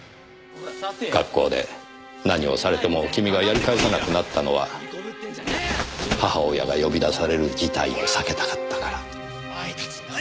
学校で何をされても君がやり返さなくなったのは母親が呼び出される事態を避けたかったから。